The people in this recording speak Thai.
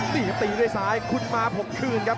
ตีด้วยสายคุณมาพกคืงครับ